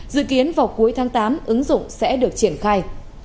dự kiến vào cuối tháng tám ứng dụng sẽ được triển khai